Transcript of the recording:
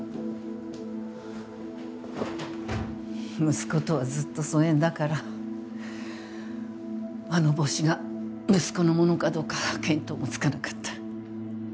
息子とはずっと疎遠だからあの帽子が息子のものかどうか見当もつかなかった。